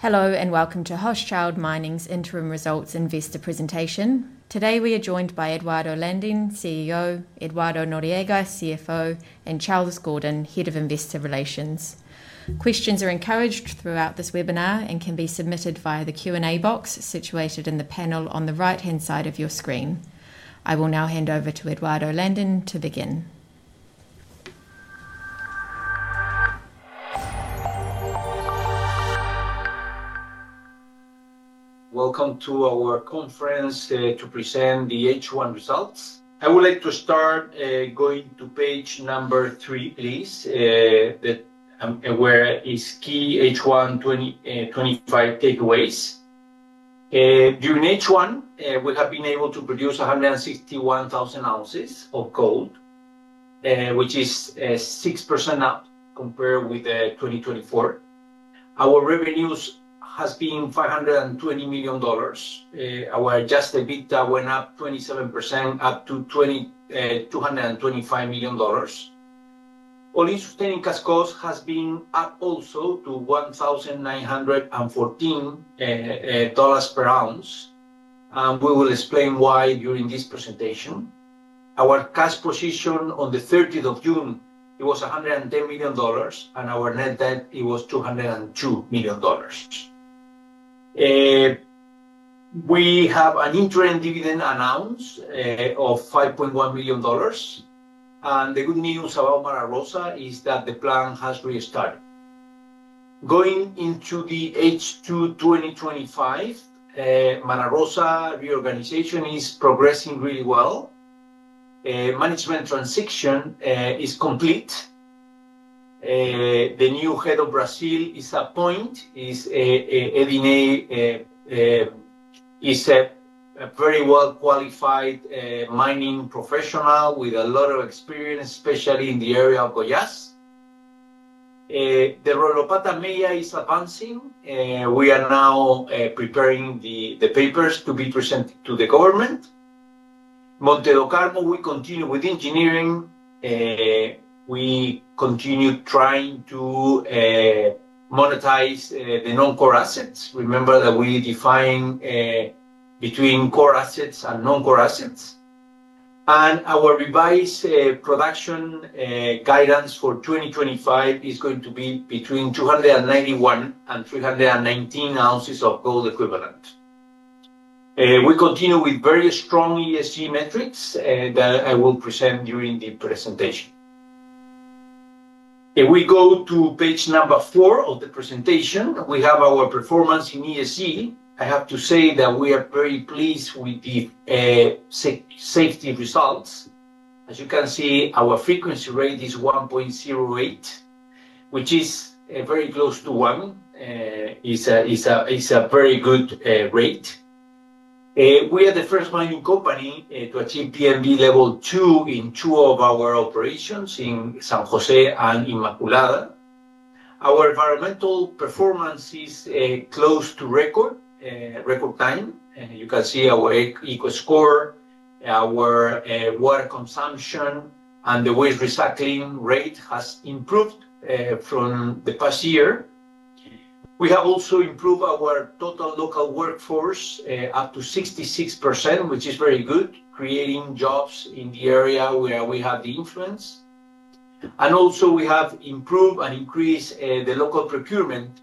Hello and welcome to Hochschild Mining's Interim Results Investor Presentation. Today we are joined by Eduardo Landin, CEO, Eduardo Noriega, CFO, and Charles Gordon, Head of Investor Relations. Questions are encouraged throughout this webinar and can be submitted via the Q&A box situated in the panel on the right-hand side of your screen. I will now hand over to Eduardo Landin to begin. Welcome to our conference to present the H1 results. I would like to start going to page number three, please, where it is key H1 2025 takeaways. During H1, we have been able to produce 161,000 ounces of gold, which is 6% up compared with 2024. Our revenues have been $520 million. Our adjusted EBITDA went up 27% up to $225 million. Only sustained cash cost has been up also to $1,914 per ounce, and we will explain why during this presentation. Our cash position on the 30th of June, it was $110 million, and our net debt, it was $202 million. We have an interim dividend announced of $5.1 million, and the good news about Mara Rosa is that the plan has restarted. Going into the H2 2025, Mara Rosa reorganization is progressing really well. Management transition is complete. The new Head of Brazil is appointed. Ediney is a very well-qualified mining professional with a lot of experience, especially in the area of Goiás. The Royropata MEIA is advancing. We are now preparing the papers to be presented to the government. Monte do Carmo, we continue with engineering. We continue trying to monetize the non-core assets. Remember that we define between core assets and non-core assets. Our revised production guidance for 2025 is going to be between 291,000 and 319,000 ounces of gold equivalent. We continue with very strong ESG metrics that I will present during the presentation. If we go to page number four of the presentation, we have our performance in ESG. I have to say that we are very pleased with the safety results. As you can see, our frequency rate is 1.08, which is very close to one. It's a very good rate. We are the first mining company to achieve PMD level two in two of our operations in San José and Inmaculada. Our environmental performance is close to record time. You can see our EcoScore, our water consumption, and the waste recycling rate has improved from the past year. We have also improved our total local workforce up to 66%, which is very good, creating jobs in the area where we have the influence. We have improved and increased the local procurement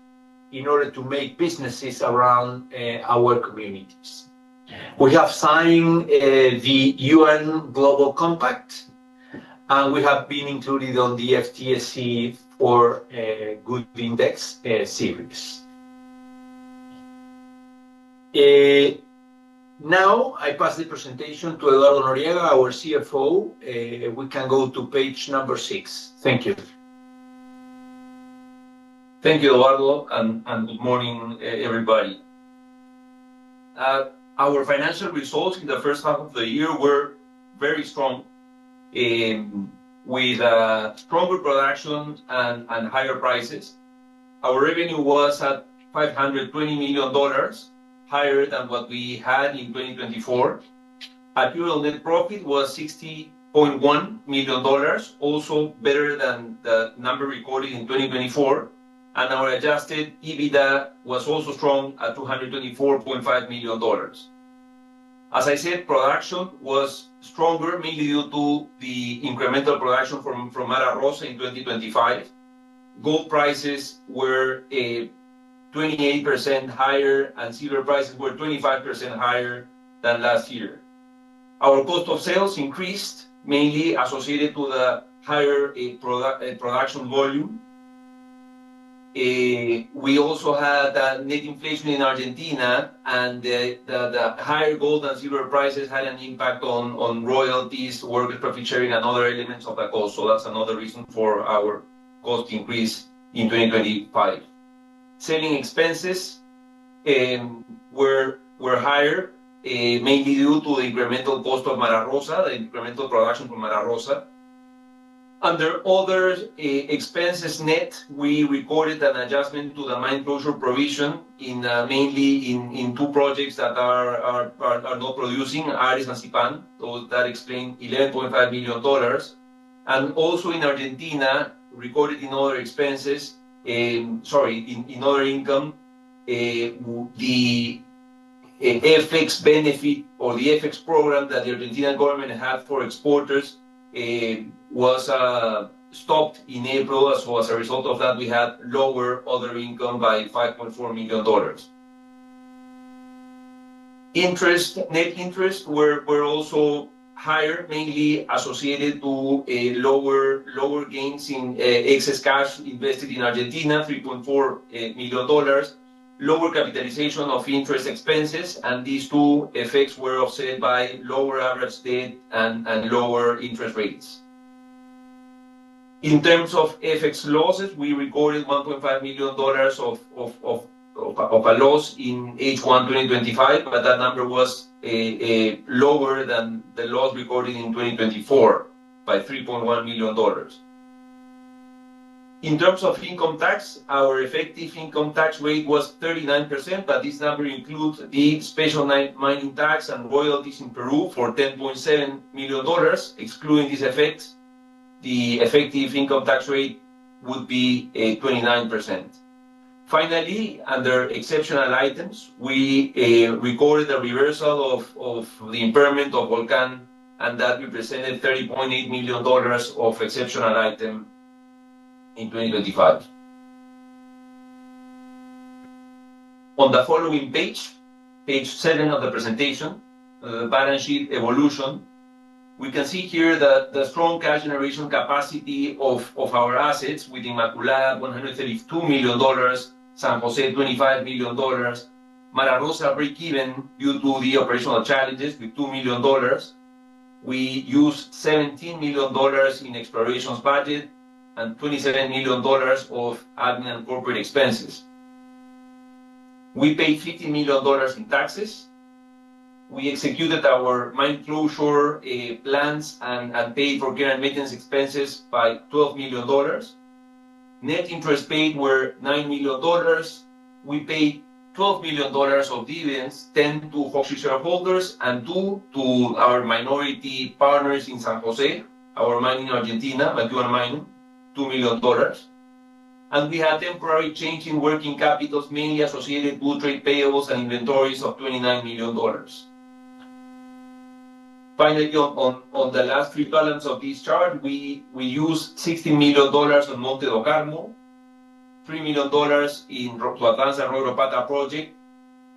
in order to make businesses around our communities. We have signed the UN Global Compact, and we have been included on the FTSE for Good Index series. Now, I pass the presentation to Eduardo Noriega, our CFO. We can go to page number six. Thank you. Thank you, Eduardo, and good morning, everybody. Our financial results in the first half of the year were very strong, with stronger production and higher prices. Our revenue was at $520 million, higher than what we had in 2024. Our net profit was $60.1 million, also better than the number recorded in 2024. Our adjusted EBITDA was also strong at $224.5 million. As I said, production was stronger, mainly due to the incremental production from Mara Rosa in 2025. Gold prices were 28% higher, and silver prices were 25% higher than last year. Our cost of sales increased, mainly associated with the higher production volume. We also had net inflation in Argentina, and the higher gold and silver prices had an impact on royalties, worker profit sharing, and other elements of the cost. That's another reason for our cost increase in 2025. Selling expenses were higher, mainly due to the incremental cost of Mara Rosa, the incremental production for Mara Rosa. Under other expenses net, we recorded an adjustment to the mine closure provision in mainly two projects that are not producing, Ares and Sipán. That explains $11.5 million. Also in Argentina, recorded in other income, the FX benefit or the FX program that the Argentine government had for exporters was stopped in April. As a result of that, we had lower other income by $5.4 million. Net interests were also higher, mainly associated with lower gains in excess cash invested in Argentina, $3.4 million, lower capitalization of interest expenses, and these two effects were offset by lower average debt and lower interest rates. In terms of FX losses, we recorded $1.5 million of a loss in H1 2025, but that number was lower than the loss recorded in 2024 by $3.1 million. In terms of income tax, our effective income tax rate was 39%, but this number includes the special mining tax and royalties in Peru for $10.7 million. Excluding this effect, the effective income tax rate would be 29%. Finally, under exceptional items, we recorded a reversal of the impairment of Volcán, and that represented $30.8 million of exceptional items in 2025. On the following page, page seven of the presentation, the balance sheet evolution, we can see here the strong cash generation capacity of our assets with Inmaculada at $132 million, San José at $25 million, Mara Rosa break-even due to the operational challenges with $2 million. We used $17 million in exploration budget and $27 million of admin and corporate expenses. We paid $15 million in taxes. We executed our mine closure plans and paid for care and maintenance expenses by $12 million. Net interest paid were $9 million. We paid $12 million of dividends, $10 million to Hochschild shareholders and $2 million to our minority partners in San José, our mine in Argentina, Maduan Mining, $2 million. We had temporary change in working capital, mainly associated with trade payables and inventories of $29 million. Finally, on the last three columns of this chart, we used $16 million on Monte do Carmo, $3 million in Royrop ata project,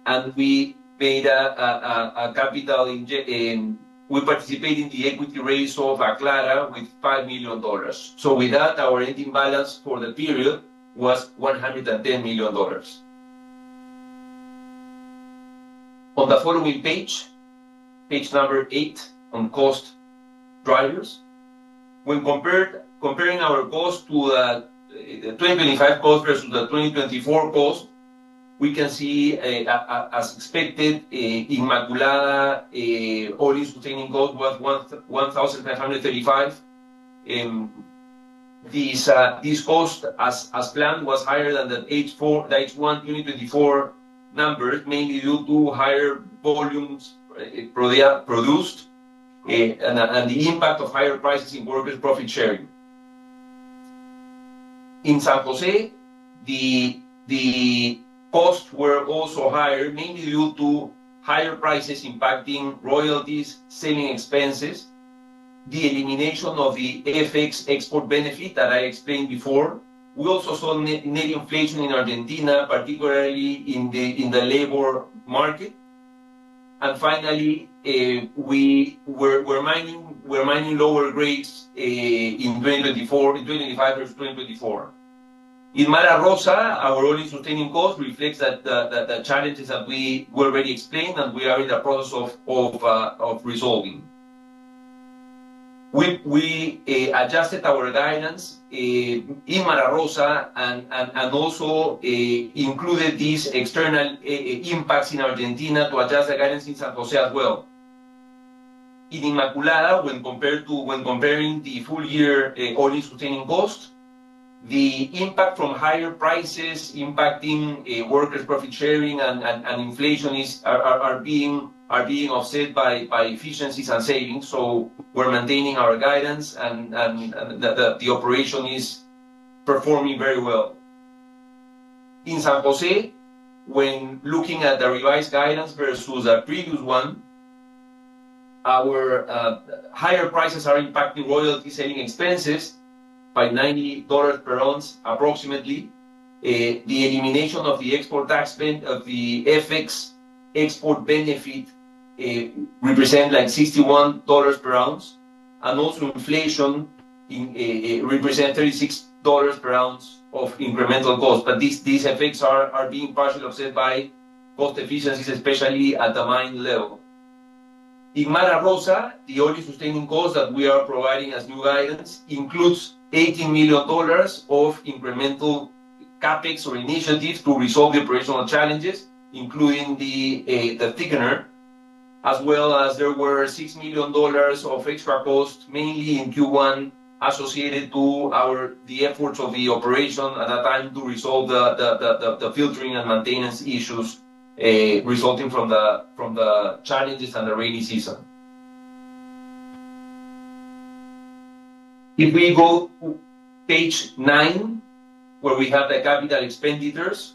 and we made a capital in... We participated in the equity raise of Aclara with $5 million. With that, our ending balance for the period was $110 million. On the following page, page number eight on cost drivers, when comparing our cost to the 2025 cost versus the 2024 cost, we can see, as expected, Inmaculada's earnings per tonne cost was $1,335. This cost, as planned, was higher than the H1 2024 number, mainly due to higher volumes produced and the impact of higher prices in workers profit sharing. In San José, the costs were also higher, mainly due to higher prices impacting royalties, selling expenses, the elimination of the FX export benefit that I explained before. We also saw net inflation in Argentina, particularly in the labor market. We were mining lower grades in 2024 and 2025 versus 2024. In Mara Rosa, our only sustaining cost reflects the challenges that we were already explained and we are in the process of resolving. We adjusted our guidance in Mara Rosa and also included these external impacts in Argentina to adjust the guidance in San José as well. In Inmaculada, when comparing the full-year earnings per tonne cost, the impact from higher prices impacting workers profit sharing and inflation is being offset by efficiencies and savings. We're maintaining our guidance and the operation is performing very well. In San José, when looking at the revised guidance versus the previous one, our higher prices are impacting royalty selling expenses by $90 per ounce approximately. The elimination of the export tax spend of the FX export benefit represents like $61 per ounce, and also inflation represents $36 per ounce of incremental cost. These effects are being partially offset by cost efficiencies, especially at the mine level. In Mara Rosa, the all-in sustaining cost that we are providing as new guidance includes $18 million of incremental CapEx for initiatives to resolve the operational challenges, including the thickener, as well as there were $6 million of extra costs, mainly in Q1, associated with the efforts of the operation at that time to resolve the filtering and maintenance issues resulting from the challenges and the rainy season. If we go to page nine, where we have the capital expenditures,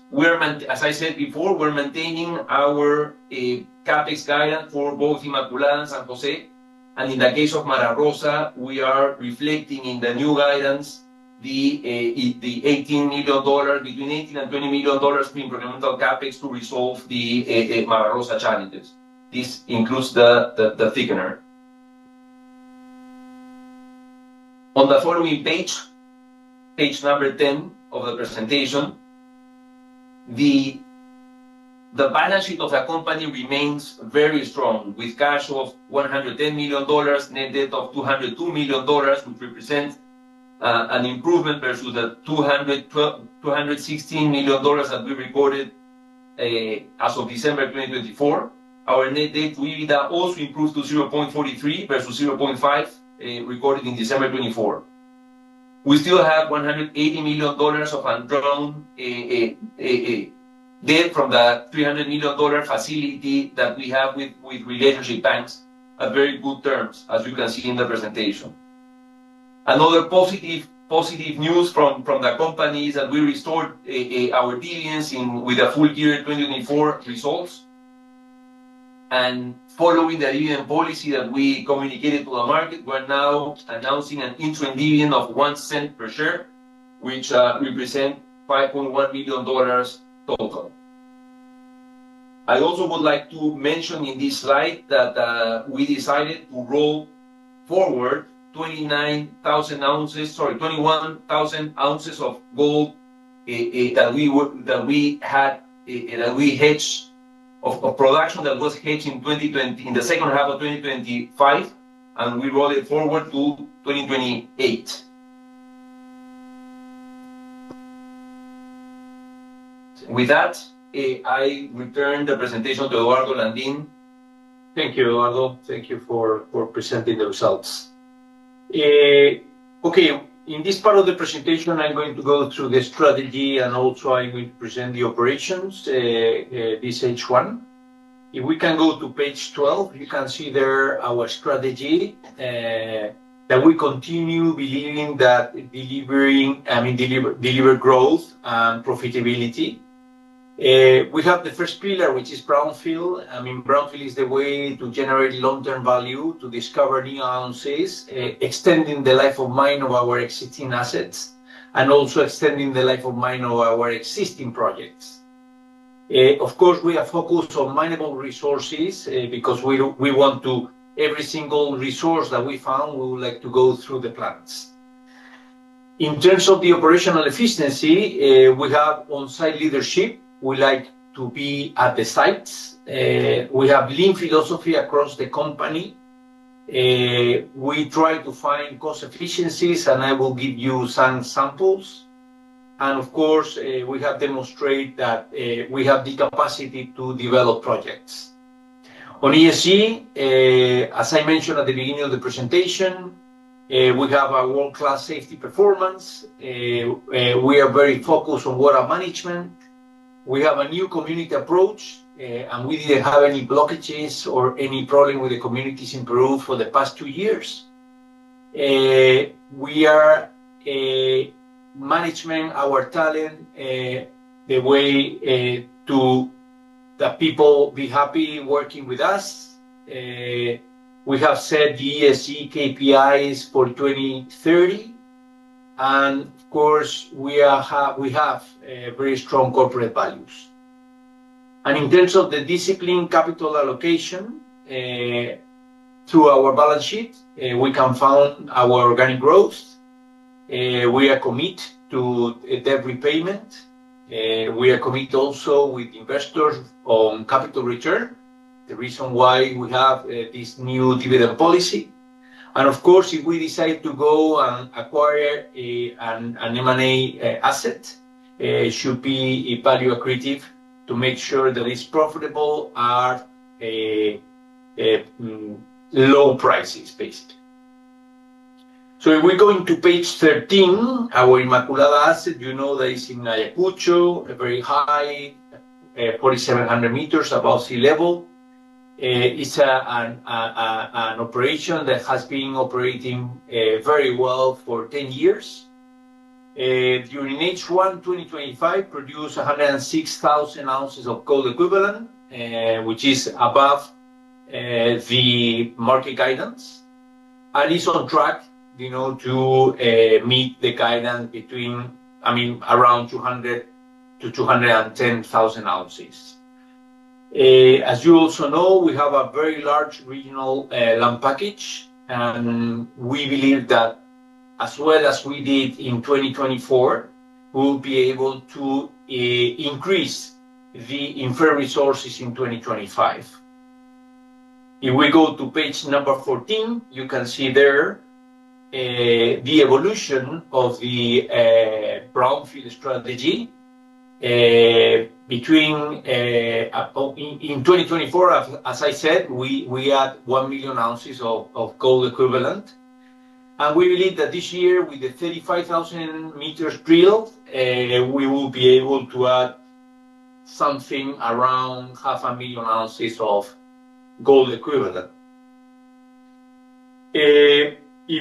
as I said before, we're maintaining our CapEx guidance for both Inmaculada and San José. In the case of Mara Rosa, we are reflecting in the new guidance the $18 million, between $18 and $20 million pre-implemental CapEx to resolve the Mara Rosa challenges. This includes the thickener. On the following page, page number 10 of the presentation, the balance sheet of the company remains very strong, with cash of $110 million, net debt of $202 million, which represents an improvement versus the $216 million that we recorded as of December 2024. Our net debt to EBITDA also improved to 0.43 versus 0.5 recorded in December 2024. We still have $180 million of undrawn debt from the $300 million facility that we have with relationship banks, at very good terms, as you can see in the presentation. Another positive news from the company is that we restored our dividends with the full-year 2024 results. Following the dividend policy that we communicated to the market, we're now announcing an interim dividend of $0.01 per share, which represents $5.1 million total cost. I also would like to mention in this slide that we decided to roll forward 21,000 ounces of gold that we had, that we hedged of production that was hedged in the second half of 2025, and we rolled it forward to 2028. With that, I return the presentation to Eduardo Landin. Thank you, Eduardo. Thank you for presenting the results. In this part of the presentation, I'm going to go through the strategy and also I'm going to present the operations, this H1. If we can go to page 12, you can see there our strategy that we continue believing that delivering, I mean delivered growth and profitability. We have the first pillar, which is brownfield. Brownfield is the way to generate long-term value, to discover new ounces, extending the life of mine of our existing assets, and also extending the life of mine of our existing projects. Of course, we are focused on minable resources because we want every single resource that we found, we would like to go through the plants. In terms of the operational efficiency, we have on-site leadership. We like to be at the sites. We have lean philosophy across the company. We try to find cost efficiencies, and I will give you some samples. We have demonstrated that we have the capacity to develop projects. On ESG, as I mentioned at the beginning of the presentation, we have a world-class safety performance. We are very focused on water management. We have a new community approach, and we didn't have any blockages or any problem with the communities in Peru for the past two years. We are managing our talent the way that people be happy working with us. We have set the ESG KPIs for 2030. We have very strong corporate values. In terms of the discipline capital allocation to our balance sheet, we can find our organic growth. We are committed to debt repayment. We are committed also with investors on capital return, the reason why we have this new dividend policy. If we decide to go and acquire an M&A asset, it should be value-accretive to make sure that it's profitable at low prices, basically. If we go into page 13, our Inmaculada asset, you know that it's in Ayacucho, a very high, 4,700 meters above sea level. It's an operation that has been operating very well for 10 years. During H1 2025, it produced 106,000 ounces of gold equivalent, which is above the market guidance. It's on track to meet the guidance between, I mean, around 200,000 to 210,000 ounces. As you also know, we have a very large regional land package, and we believe that as well as we did in 2024, we'll be able to increase the inferred resources in 2025. If we go to page number 14, you can see there the evolution of the brownfield strategy. In 2024, as I said, we add 1 million ounces of gold equivalent. We believe that this year, with the 35,000 meters drill, we will be able to add something around 500,000 ounces of gold equivalent. If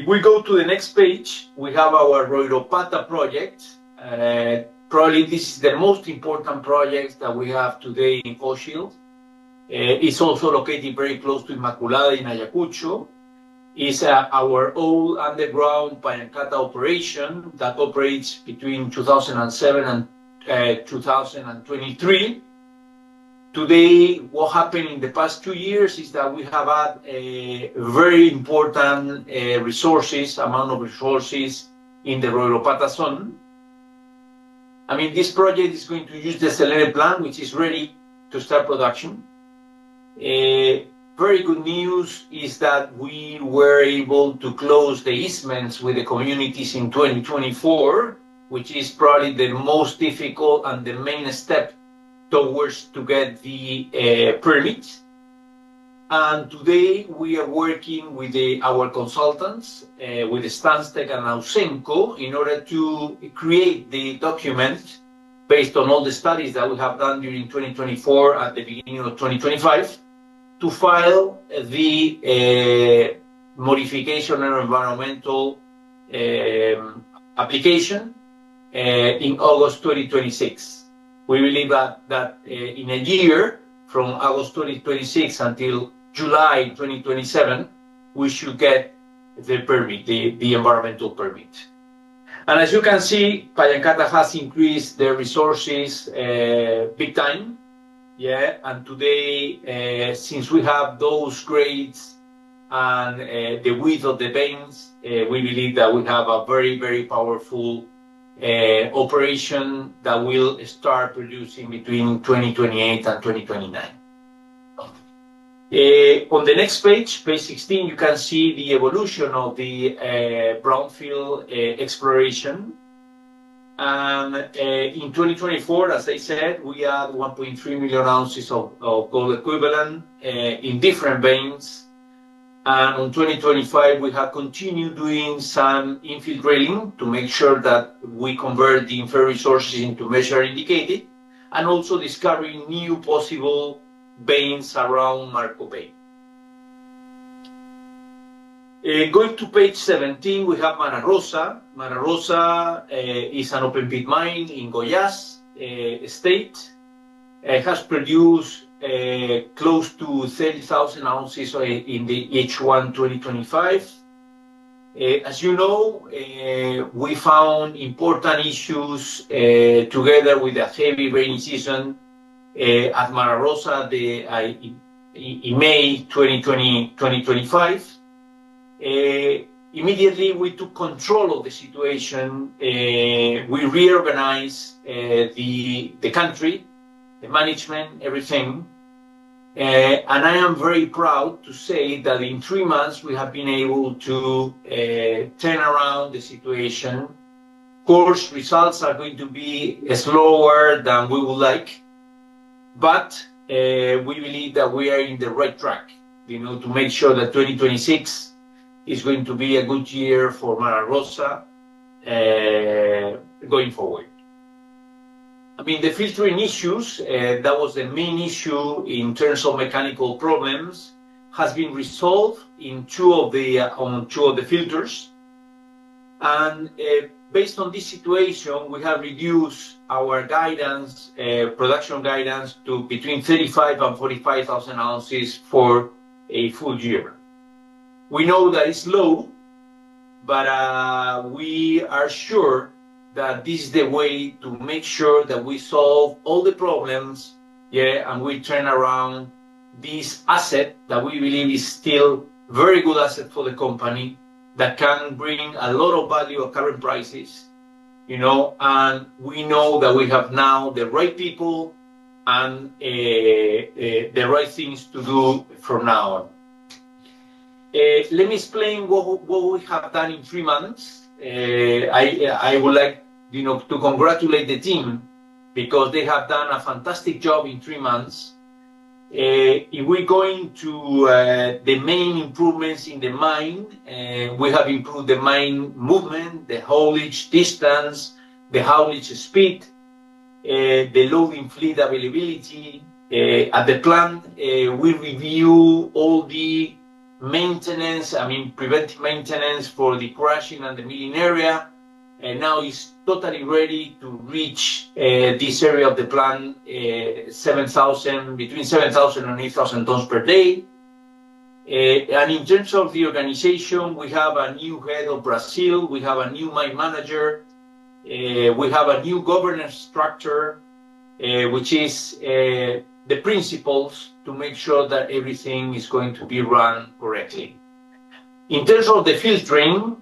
we go to the next page, we have our Royrop ata project. Probably this is the most important project that we have today in Hochschild. It's also located very close to Inmaculada in Ayacucho. It's our old underground pancata operation that operates between 2007 and 2023. Today, what happened in the past two years is that we have had very important resources, amount of resources in the Royrop ata zone. I mean, this project is going to use the select land which is ready to start production. Very good news is that we were able to close the easements with the communities in 2024, which is probably the most difficult and the main step towards getting the permits. Today, we are working with our consultants, with Stansted and Ausenco, in order to create the documents based on all the studies that we have done during 2024 and at the beginning of 2025 to file the modification and environmental application in August 2026. We believe that in a year, from August 2026 until July 2027, we should get the permit, the environmental permit. Pallancata has increased their resources big time. Today, since we have those grades and the width of the banks, we believe that we have a very, very powerful operation that will start producing between 2028 and 2029. On the next page, page 16, you can see the evolution of the brownfield exploration. In 2024, as I said, we add 1.3 million ounces of gold equivalent in different banks. In 2025, we have continued doing some infiltrating to make sure that we convert the inferred resources into measured indicated and also discovering new possible banks around Marco Bay. Going to page 17, we have Mara Rosa. Mara Rosa is an open pit mine in Goiás State. It has produced close to 7,000 ounces in H1 2025. As you know, we found important issues together with the heavy rainy season at Mara Rosa in May 2025. Immediately, we took control of the situation. We reorganized the country, the management, everything. I am very proud to say that in three months, we have been able to turn around the situation. Of course, results are going to be slower than we would like, but we believe that we are on the right track to make sure that 2026 is going to be a good year for Mara Rosa going forward. The filtering issues, that was the main issue in terms of mechanical problems, has been resolved in two of the filters. Based on this situation, we have reduced our production guidance to between 35,000 and 45,000 ounces for a full year. We know that it's low, but we are sure that this is the way to make sure that we solve all the problems, yeah, and we turn around this asset that we believe is still a very good asset for the company that can bring a lot of value at current prices. You know, and we know that we have now the right people and the right things to do for now. Let me explain what we have done in three months. I would like to congratulate the team because they have done a fantastic job in three months. If we are going to the main improvements in the mine, we have improved the mine movement, the haulage distance, the haulage speed, the loading fleet availability. At the plant, we review all the maintenance, I mean, preventive maintenance for the crushing and the milling area. Now it's totally ready to reach this area of the plant, between 7,000 and 8,000 tons per day. In terms of the organization, we have a new Head of Brazil. We have a new Mine Manager. We have a new governance structure, which is the principles to make sure that everything is going to be run correctly. In terms of the filtering,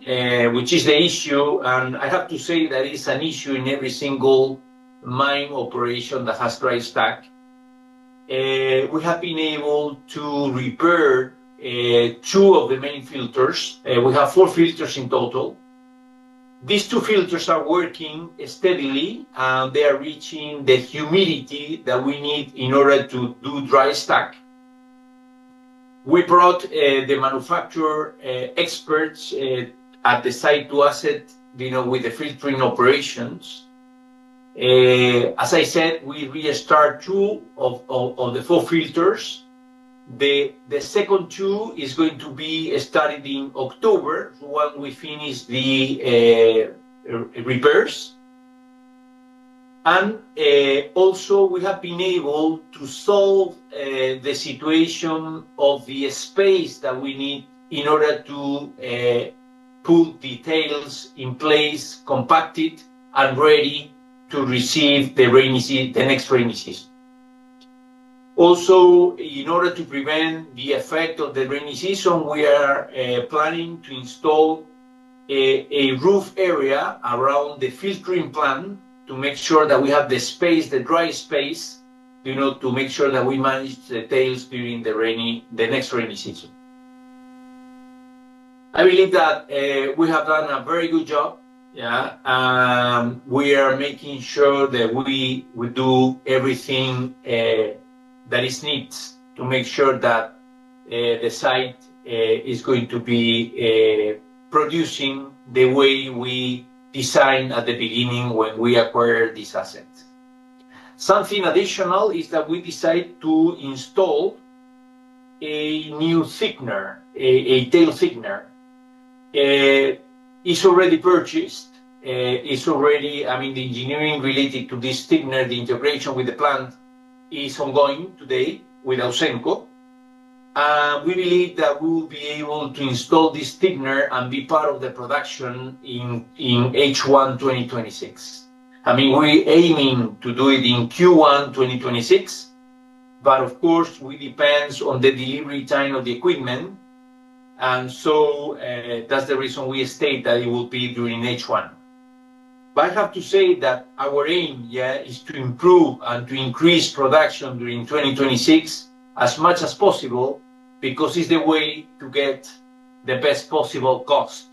which is an issue, and I have to say that it's an issue in every single mine operation that has dry stack, we have been able to repair two of the main filters. We have four filters in total. These two filters are working steadily, and they are reaching the humidity that we need in order to do dry stack. We brought the manufacturer experts at the site to assist with the filtering operations. As I said, we restart two of the four filters. The second two is going to be starting in October while we finish the repairs. Also, we have been able to solve the situation of the space that we need in order to put the tails in place, compact it, and ready to receive the next rainy season. Also, in order to prevent the effect of the rainy season, we are planning to install a roof area around the filtering plant to make sure that we have the space, the dry space, to make sure that we manage the tails during the next rainy season. I believe that we have done a very good job. Yeah. We are making sure that we do everything that is needed to make sure that the site is going to be producing the way we designed at the beginning when we acquired this asset. Something additional is that we decided to install a new signer, a tail signer. It's already purchased. It's already, I mean, the engineering related to this thickener, the integration with the plant is ongoing today with Ausenco. We believe that we'll be able to install this thickener and be part of the production in H1 2026. I mean, we're aiming to do it in Q1 2026, but of course, it depends on the delivery time of the equipment. That's the reason we state that it will be during H1. I have to say that our aim, yeah, is to improve and to increase production during 2026 as much as possible because it's the way to get the best possible cost.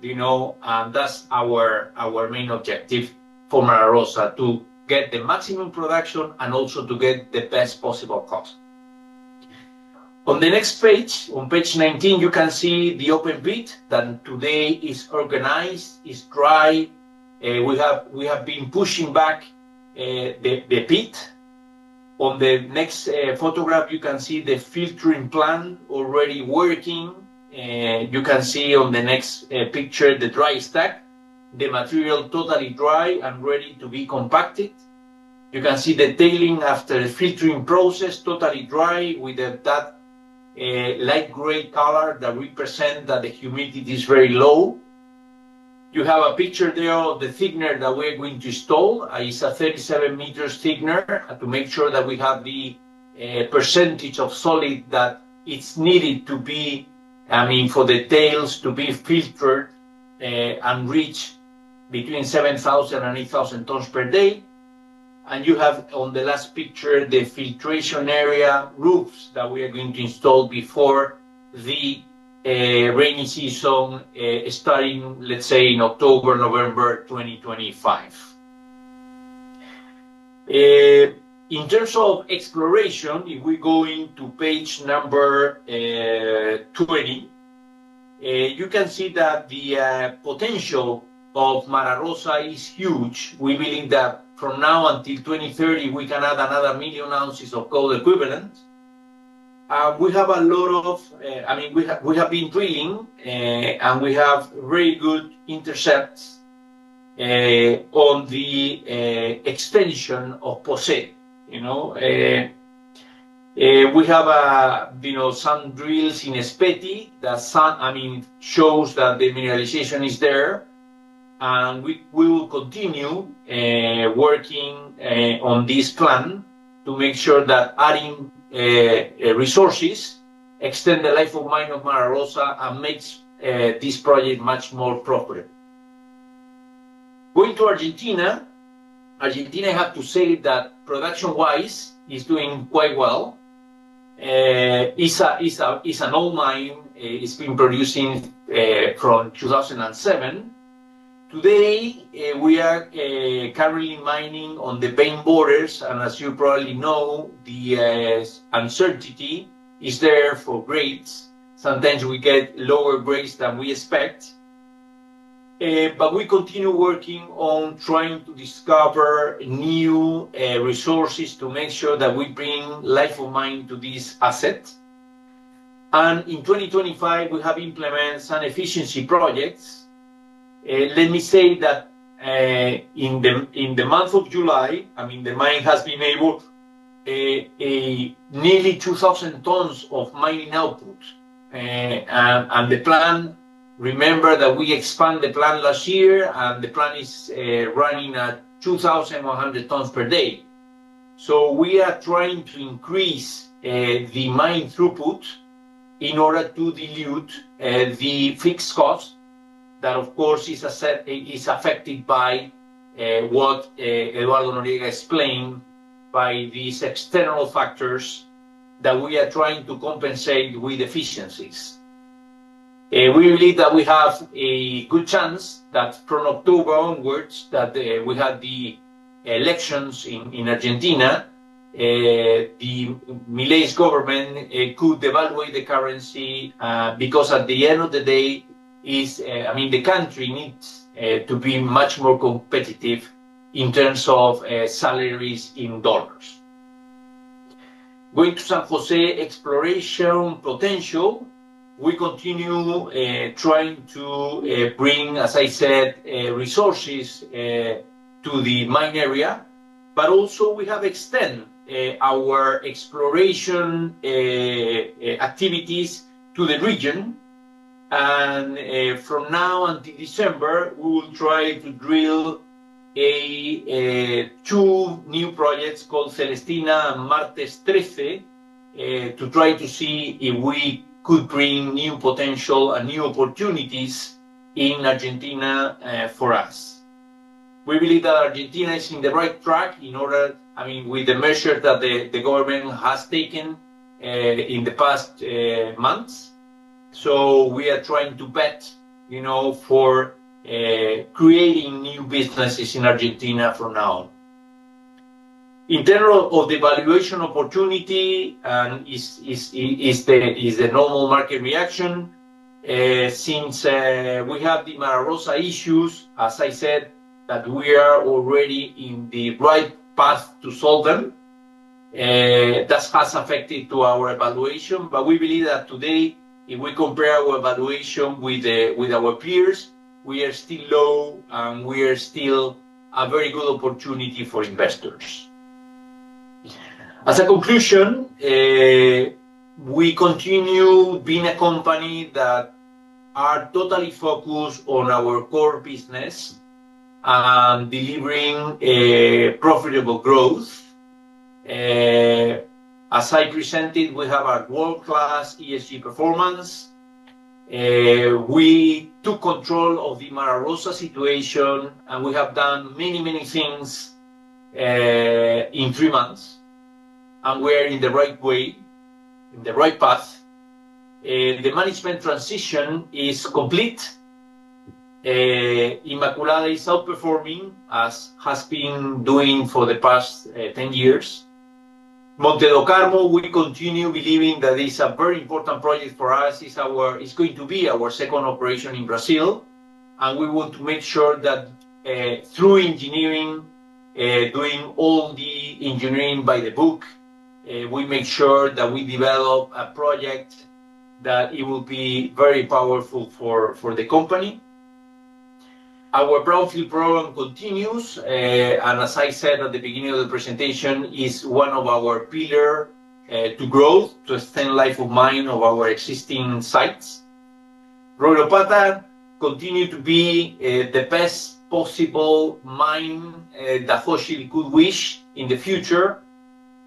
You know, that's our main objective for Mara Rosa, to get the maximum production and also to get the best possible cost. On the next page, on page 19, you can see the open pit that today is organized, is dry. We have been pushing back the pit. On the next photograph, you can see the filtering plant already working. You can see on the next picture the dry stack, the material totally dry and ready to be compacted. You can see the tailing after the filtering process totally dry with that light gray color that represents that the humidity is very low. You have a picture there of the thickener that we're going to install. It's a 37-meter thickener to make sure that we have the percentage of solid that is needed to be, I mean, for the tails to be filtered and reach between 7,000 and 8,000 tons per day. You have on the last picture the filtration area roofs that we are going to install before the rainy season starting, let's say, in October, November 2025. In terms of exploration, if we go into page number 20, you can see that the potential of Mara Rosa is huge. We believe that from now until 2030, we can add another million ounces of gold equivalent. We have a lot of, I mean, we have been drilling, and we have very good intercepts on the extension of Posé. We have some drills in Espeti that, I mean, shows that the mineralization is there. We will continue working on this plan to make sure that adding resources extends the life of mine of Mara Rosa and makes this project much more profitable. Going to Argentina, Argentina I have to say that production-wise is doing quite well. It's an old mine. It's been producing from 2007. Today, we are carrying mining on the main borders, and as you probably know, the uncertainty is there for grades. Sometimes we get lower grades than we expect. We continue working on trying to discover new resources to make sure that we bring life of mine to these assets. In 2025, we have implemented some efficiency projects. Let me say that in the month of July, the mine has been able to nearly 2,000 tons of mining output. The plan, remember that we expanded the plan last year, is running at 2,100 tons per day. We are trying to increase the mine throughput in order to dilute the fixed cost that, of course, is affected by what Eduardo Noriega explained by these external factors that we are trying to compensate with efficiencies. We believe that we have a good chance that from October onwards, after the elections in Argentina, the Milei's government could devalue the currency because at the end of the day, the country needs to be much more competitive in terms of salaries in dollars. Going to San José exploration potential, we continue trying to bring, as I said, resources to the mine area, but also we have extended our exploration activities to the region. From now until December, we'll try to drill two new projects called Celestina and Martes 13 to try to see if we could bring new potential and new opportunities in Argentina for us. We believe that Argentina is on the right track with the measures that the government has taken in the past months. We are trying to bet on creating new businesses in Argentina from now on. In terms of the valuation opportunity, it is the normal market reaction since we have the Mara Rosa issues, as I said, that we are already on the right path to solve them. That has affected our valuation, but we believe that today, if we compare our valuation with our peers, we are still low and we are still a very good opportunity for investors. As a conclusion, we continue being a company that is totally focused on our core business and delivering profitable growth. As I presented, we have a world-class ESG performance. We took control of the Mara Rosa situation, and we have done many, many things in three months, and we're on the right way, on the right path. The management transition is complete. Inmaculada is outperforming, as it has been doing for the past 10 years. Monte do Carmo, we continue believing that it's a very important project for us. It's going to be our second operation in Brazil, and we would make sure that through engineering, doing all the engineering by the book, we make sure that we develop a project that will be very powerful for the company. Our brownfield program continues, and as I said at the beginning of the presentation, it's one of our pillars to grow, to extend the life of mine of our existing sites. Royrop ata continues to be the best possible mine that Hochschild could wish in the future.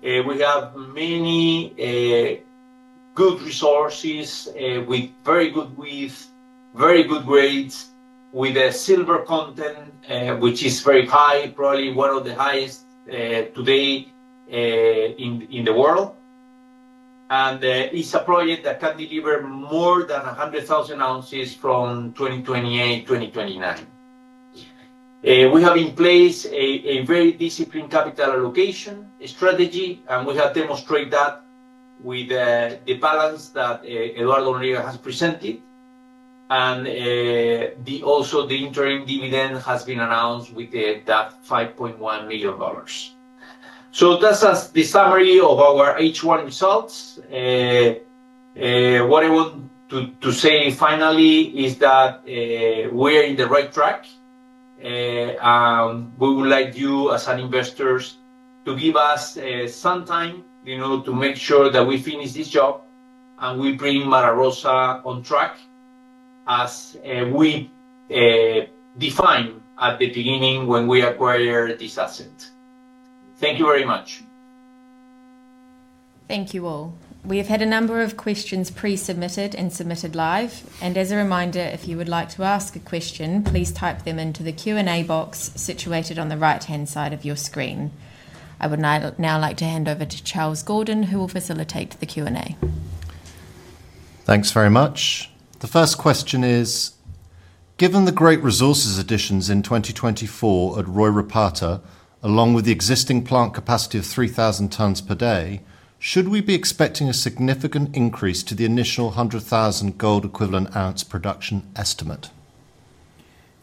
We have many good resources with very good width, very good grades, with a silver content, which is very high, probably one of the highest today in the world. It's a project that can deliver more than 100,000 ounces from 2028, 2029. We have in place a very disciplined capital allocation strategy, and we have demonstrated that with the balance that Eduardo Noriega has presented. Also, the interim dividend has been announced with that $5.1 million. That's the summary of our H1 results. What I want to say finally is that we are in the right track. We would like you, as investors, to give us some time, you know, to make sure that we finish this job and we bring Mara Rosa on track, as we defined at the beginning when we acquired this asset. Thank you very much. Thank you all. We have had a number of questions pre-submitted and submitted live. As a reminder, if you would like to ask a question, please type them into the Q&A box situated on the right-hand side of your screen. I would now like to hand over to Charles Gordon, who will facilitate the Q&A. Thanks very much. The first question is, given the great resources additions in 2024 at Royrop ata, along with the existing plant capacity of 3,000 tons per day, should we be expecting a significant increase to the initial 100,000 gold equivalent ounce production estimate?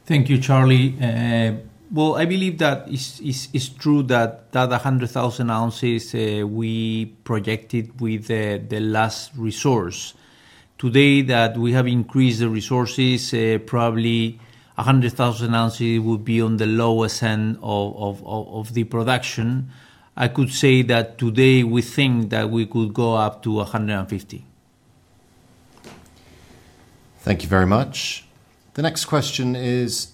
Thank you, Charlie. I believe that it's true that that 100,000 ounces we projected with the last resource. Today, that we have increased the resources, probably 100,000 ounces would be on the lowest end of the production. I could say that today we think that we could go up to 150. Thank you very much. The next question is,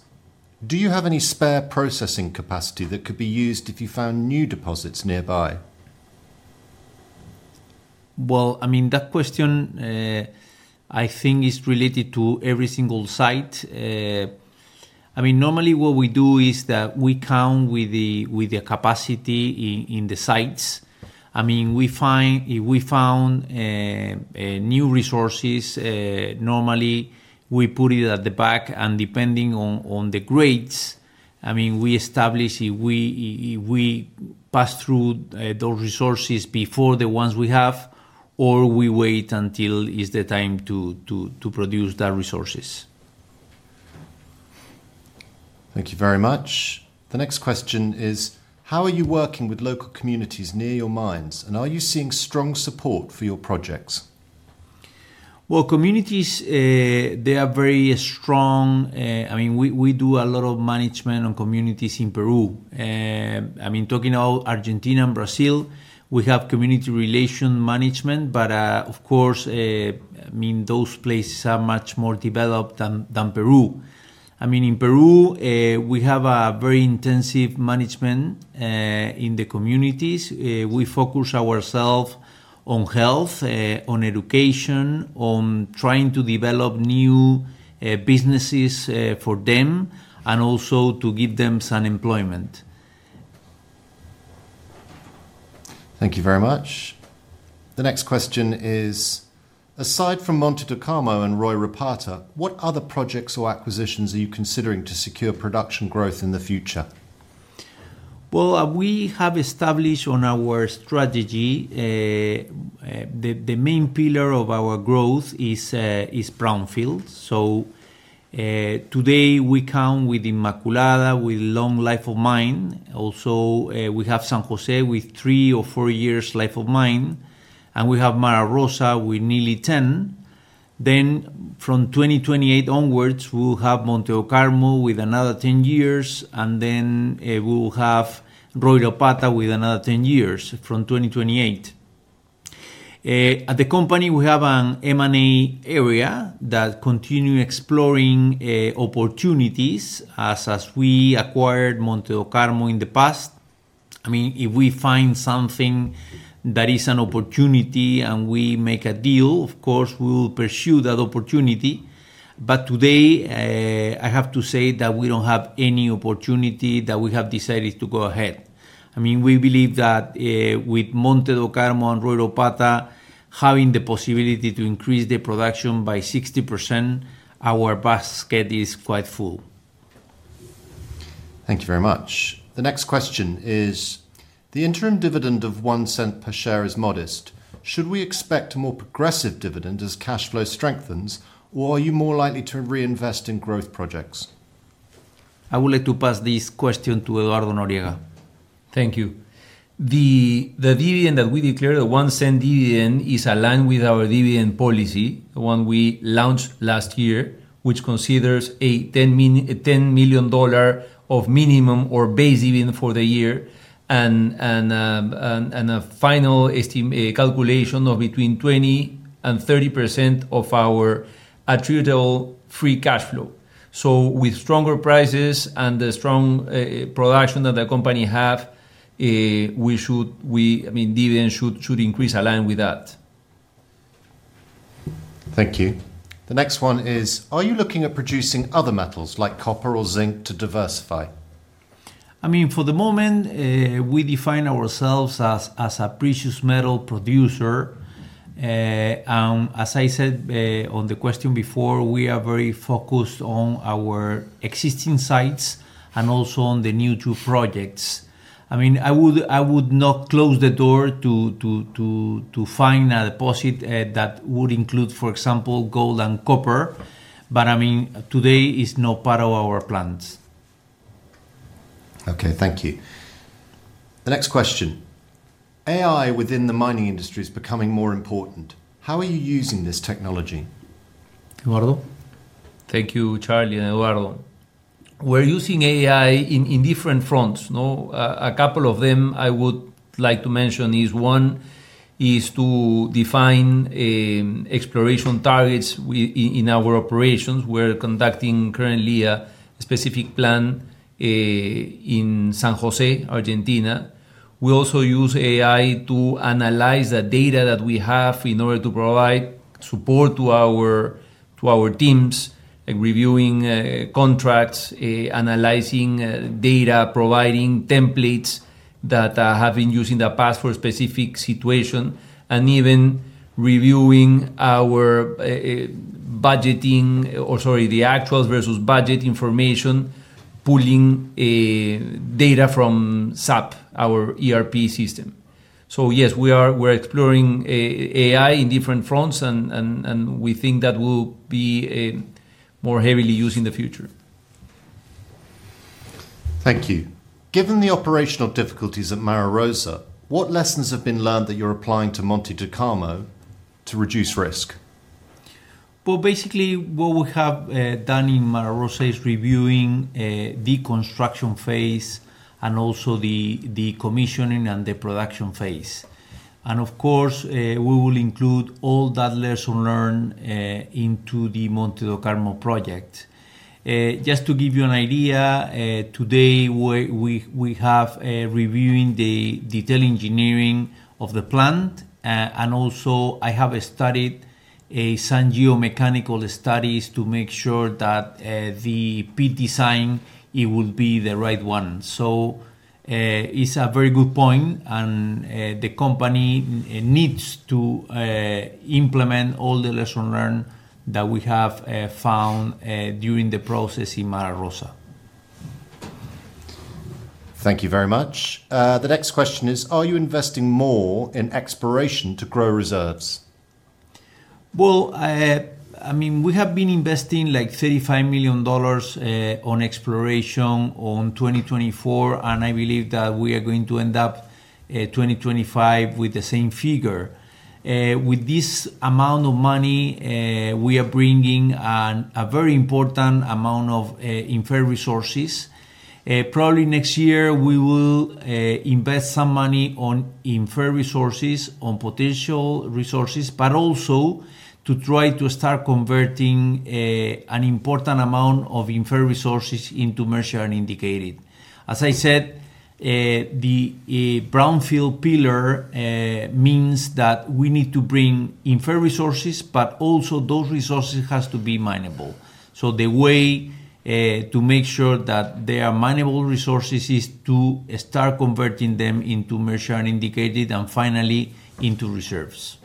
do you have any spare processing capacity that could be used if you found new deposits nearby? That question I think is related to every single site. Normally what we do is that we count with the capacity in the sites. If we found new resources, normally we put it at the back, and depending on the grades, we establish if we pass through those resources before the ones we have or we wait until it's the time to produce the resources. Thank you very much. The next question is, how are you working with local communities near your mines, and are you seeing strong support for your projects? Communities, they are very strong. I mean, we do a lot of management on communities in Peru. Talking about Argentina and Brazil, we have community relation management, but of course, those places are much more developed than Peru. In Peru, we have a very intensive management in the communities. We focus ourselves on health, on education, on trying to develop new businesses for them, and also to give them some employment. Thank you very much. The next question is, aside from Monte do Carmo and Royrop ata, what other projects or acquisitions are you considering to secure production growth in the future? We have established in our strategy that the main pillar of our growth is brownfield. Today, we count with Inmaculada with a long life of mine. We also have San José with three or four years life of mine, and we have Mara Rosa with nearly 10. From 2028 onwards, we'll have Monte do Carmo with another 10 years, and we'll have Royrop ata with another 10 years from 2028. At the company, we have an M&A area that continues exploring opportunities, as we acquired Monte do Carmo in the past. If we find something that is an opportunity and we make a deal, of course, we will pursue that opportunity. Today, I have to say that we don't have any opportunity that we have decided to go ahead. We believe that with Monte do Carmo and Royrop ata having the possibility to increase the production by 60%, our basket is quite full. Thank you very much. The next question is, the interim dividend of $0.01 per share is modest. Should we expect more progressive dividend as cash flow strengthens, or are you more likely to reinvest in growth projects? I would like to pass this question to Eduardo Noriega. Thank you. The dividend that we declare, the $0.01 dividend, is aligned with our dividend policy, the one we launched last year, which considers a $10 million minimum or base dividend for the year, and a final calculation of between 20% and 30% of our attributable free cash flow. With stronger prices and the strong production that the company has, dividends should increase aligned with that. Thank you. The next one is, are you looking at producing other metals like copper or zinc to diversify? For the moment, we define ourselves as a precious metal producer. As I said on the question before, we are very focused on our existing sites and also on the new two projects. I would not close the door to find a deposit that would include, for example, gold and copper, but today it's not part of our plans. Okay, thank you. The next question. AI within the mining industry is becoming more important. How are you using this technology? Thank you, Charlie and Eduardo. We're using AI in different fronts. A couple of them I would like to mention is one is to define exploration targets in our operations. We're conducting currently a specific plan in San José, Argentina. We also use AI to analyze the data that we have in order to provide support to our teams, like reviewing contracts, analyzing data, providing templates that have been used in the past for specific situations, and even reviewing our budgeting, or the actuals versus budget information, pulling data from SAP, our ERP system. Yes, we are exploring AI in different fronts, and we think that will be more heavily used in the future. Thank you. Given the operational difficulties at Mara Rosa, what lessons have been learned that you're applying to Monte do Carmo to reduce risk? Basically, what we have done in Mara Rosa is reviewing the construction phase and also the commissioning and the production phase. Of course, we will include all that lesson learned into the Monte do Carmo project. Just to give you an idea, today we have reviewed the detail engineering of the plant, and also I have studied some geomechanical studies to make sure that the pit design will be the right one. It's a very good point, and the company needs to implement all the lessons learned that we have found during the process in Mara Rosa. Thank you very much. The next question is, are you investing more in exploration to grow reserves? We have been investing like $35 million on exploration in 2024, and I believe that we are going to end up in 2025 with the same figure. With this amount of money, we are bringing in a very important amount of inferred resources. Probably next year, we will invest some money on inferred resources, on potential resources, but also to try to start converting an important amount of inferred resources into measured and indicated. As I said, the brownfield pillar means that we need to bring inferred resources, but also those resources have to be minable. The way to make sure that they are minable resources is to start converting them into measured and indicated, and finally into reserves.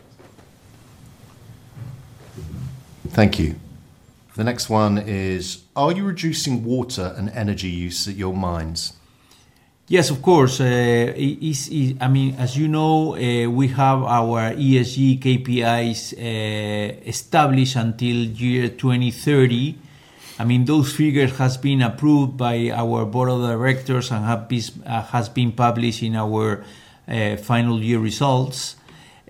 Thank you. The next one is, are you reducing water and energy use at your mines? Yes, of course. As you know, we have our ESG KPIs established until year 2030. Those figures have been approved by our Board of Directors and have been published in our final year results.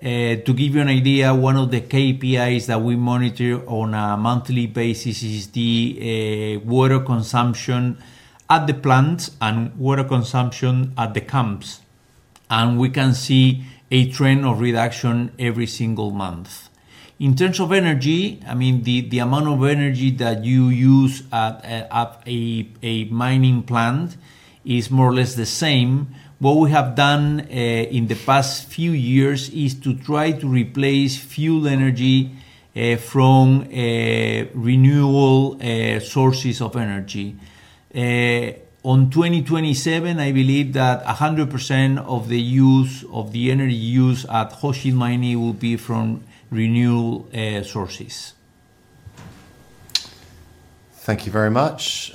To give you an idea, one of the KPIs that we monitor on a monthly basis is the water consumption at the plants and water consumption at the camps. We can see a trend of reduction every single month. In terms of energy, the amount of energy that you use at a mining plant is more or less the same. What we have done in the past few years is to try to replace fuel energy from renewable sources of energy. In 2027, I believe that 100% of the energy used at Hochschild Mining will be from renewable sources. Thank you very much.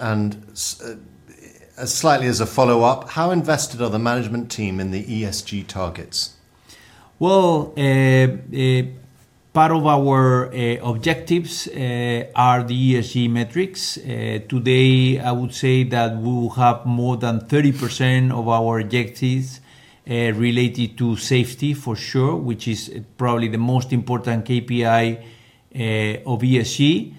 Slightly as a follow-up, how invested are the management team in the ESG targets? Part of our objectives are the ESG metrics. Today, I would say that we have more than 30% of our objectives related to safety, for sure, which is probably the most important KPI of ESG.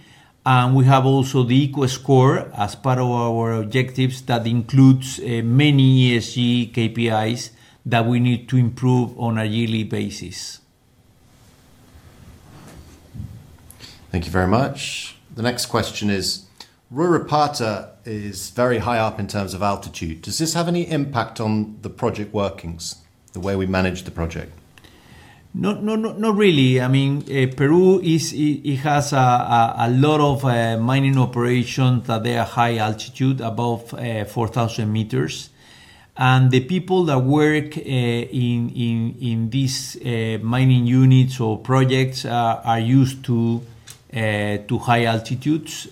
We have also the EcoScore as part of our objectives that includes many ESG KPIs that we need to improve on a yearly basis. Thank you very much. The next question is, Royrop ata is very high up in terms of altitude. Does this have any impact on the project workings, the way we manage the project? No, not really. Peru has a lot of mining operations that are high altitude, above 4,000 meters. The people that work in these mining units or projects are used to high altitudes.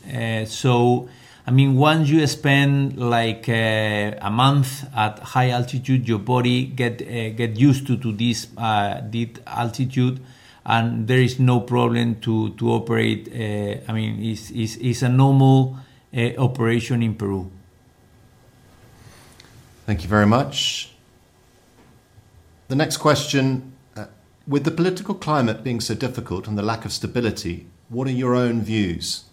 Once you spend like a month at high altitude, your body gets used to this altitude, and there is no problem to operate. It's a normal operation in Peru. Thank you very much. The next question, with the political climate being so difficult and the lack of stability, what are your own views?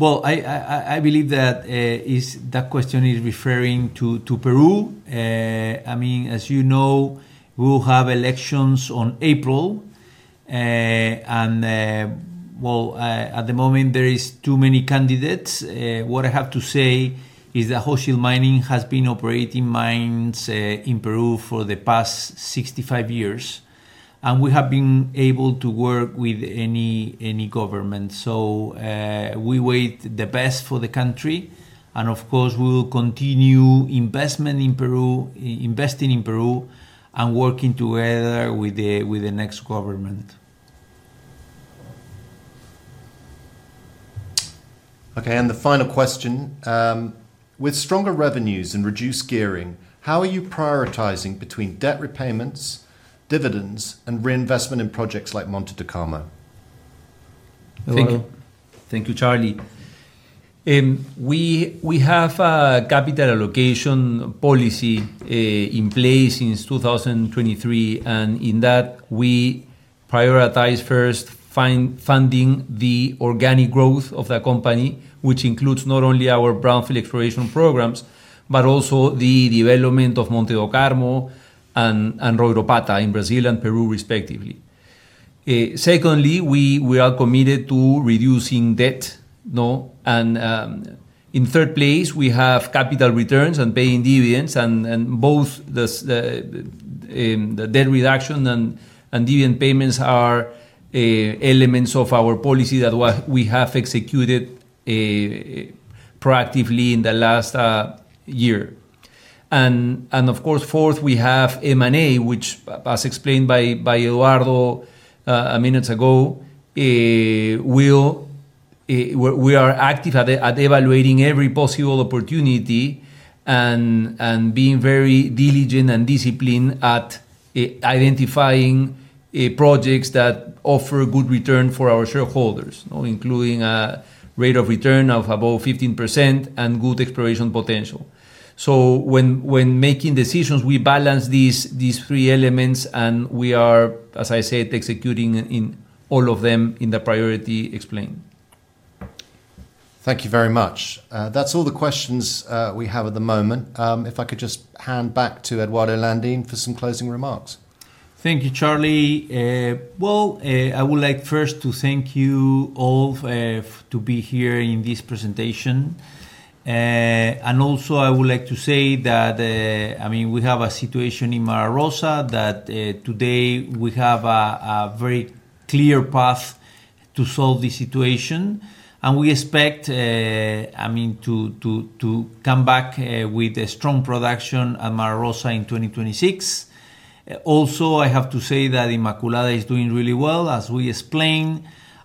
I believe that question is referring to Peru. As you know, we'll have elections in April. At the moment, there are too many candidates. What I have to say is that Hochschild Mining has been operating mines in Peru for the past 65 years, and we have been able to work with any government. We wait for the best for the country. Of course, we will continue investing in Peru and working together with the next government. Okay. The final question, with stronger revenues and reduced gearing, how are you prioritizing between debt repayments, dividends, and reinvestment in projects like Monte do Carmo? Thank you, Charlie. We have a capital allocation policy in place since 2023, and in that, we prioritize first funding the organic growth of the company, which includes not only our brownfield exploration programs, but also the development of Monte do Carmo and Royrop ata in Brazil and Peru, respectively. Secondly, we are committed to reducing debt. In third place, we have capital returns and paying dividends. Both the debt reduction and dividend payments are elements of our policy that we have executed proactively in the last year. Fourth, we have M&A, which, as explained by Eduardo minutes ago, we are active at evaluating every possible opportunity and being very diligent and disciplined at identifying projects that offer good returns for our shareholders, including a rate of return of about 15% and good exploration potential. When making decisions, we balance these three elements, and we are, as I said, executing in all of them in the priority explained. Thank you very much. That's all the questions we have at the moment. If I could just hand back to Eduardo Landin for some closing remarks. Thank you, Charlie. First, I would like to thank you all for being here in this presentation. I would also like to say that we have a situation in Mara Rosa that today we have a very clear path to solve. We expect to come back with a strong production at Mara Rosa in 2026. I have to say that Imaculada is doing really well, as we explained,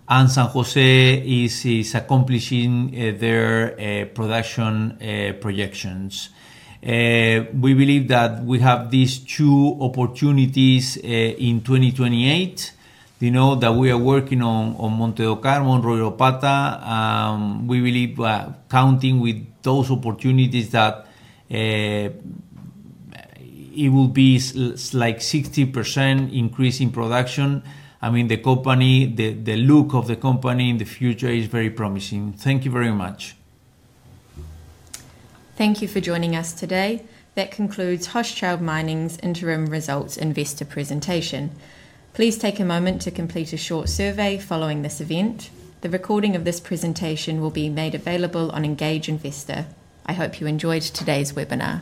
and San José is accomplishing their production projections. We believe that we have these two opportunities in 2028, you know, that we are working on Monte do Carmo and Royrop ata. We believe, counting with those opportunities, that it will be like a 60% increase in production. The company, the look of the company in the future is very promising. Thank you very much. Thank you for joining us today. That concludes Hochschild Mining's Interim Results Investor Presentation. Please take a moment to complete a short survey following this event. The recording of this presentation will be made available on Engage Invista. I hope you enjoyed today's webinar.